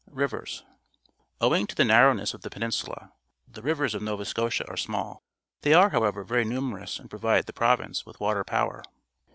Rivers. — Owing to the narrowness of the peninsula, the rivers of Nova Scotia are small. They are, however, verj' numerous and pro vide the pro^•ince with water power.